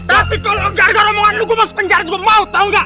tapi kalau enggar enggar omongan lu gua masuk penjara gua mau tau gak